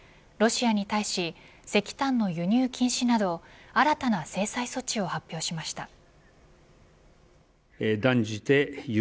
ロシアに対し石炭の輸入禁止など新たな制裁措置を発表しました。